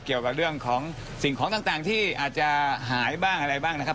เกี่ยวกับเรื่องของสิ่งของต่างที่อาจจะหายบ้างอะไรบ้างนะครับ